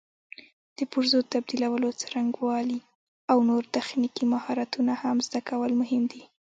د پرزو تبدیلولو څرنګوالي او نور تخنیکي مهارتونه هم زده کول مهم دي.